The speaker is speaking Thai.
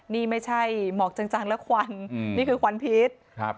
นี่ไม่ใช่หมอกจังจังแล้วควันนี่คือควันพิษ